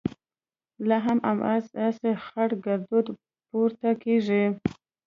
لا هم هماغسې خړ ګردونه پورته کېږي.